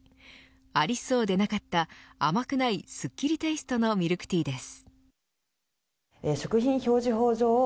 ありそうでなかった甘くないすっきりテイストのミルクティーです。